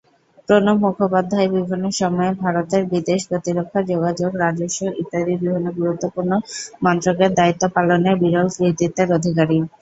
প্রণব মুখোপাধ্যায় বিভিন্ন সময়ে ভারতের বিদেশ, প্রতিরক্ষা, যোগাযোগ, রাজস্ব ইত্যাদি বিভিন্ন গুরুত্বপূর্ণ মন্ত্রকের দায়িত্ব পালনের বিরল কৃতিত্বের অধিকারী।